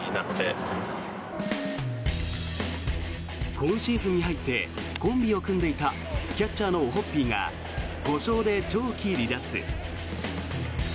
今シーズンに入ってコンビを組んでいたキャッチャーのオホッピーが故障で長期離脱。